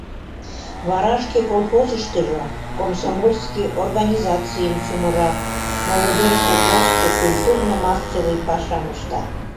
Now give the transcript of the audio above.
Вара шке колхозыштыжо комсомольский организацийым чумыра, молодёжь коклаште культурно-массовый пашам ышта.